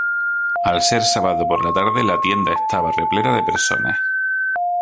Al ser sábado por la tarde, la tienda estaba repleta de personas.